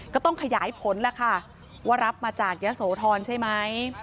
ก็ต้องขยายผลแล้วค่ะว่ารับมาจากยะโสธรใช่ไหม